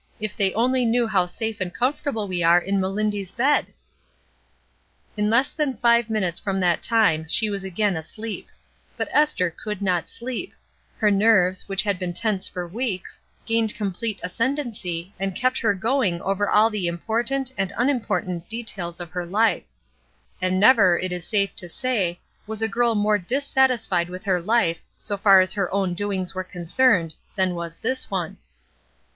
if they only knew how safe and com fortable we are in Melindy's bed !" In less than five minutes from that time she was again asleep; but Esther could not sleep; her nerves, which had been tense for weeks, gained complete ascendency and kept her going over all the important and unimportant details 186 ESTER RIED'S NAMESAKE of her life. And never, it is safe to say, was a girl more dissatisfied with her life, so far as her own doings were concerned, than was this one.